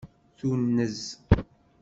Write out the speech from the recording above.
Tunez.